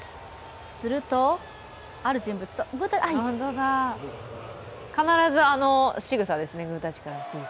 するとある人物と必ず、あのしぐさですね、グータッチからのピース。